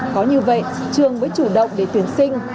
có như vậy trường mới chủ động để tuyển sinh